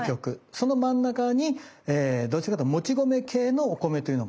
その真ん中にどっちかというともち米系のお米というのがあります。